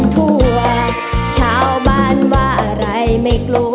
แม่หรือพี่จ๋าบอกว่าจะมาขอมัน